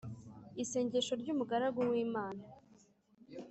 Isengesho ry umugaragu w Imana